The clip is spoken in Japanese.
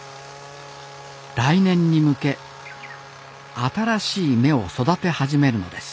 来年に向け新しい芽を育て始めるのです